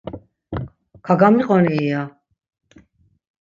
Kagamiqoni iya!